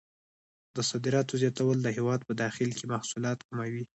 د صادراتو زیاتول د هېواد په داخل کې محصولات کموي.